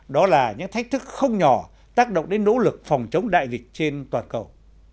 đó là những thách thức không nhỏ tác động đến nỗ lực phòng chống đại dịch trên toàn cầu